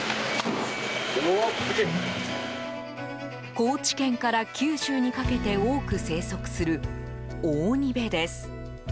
高知県から九州にかけて多く生息する、オオニベです。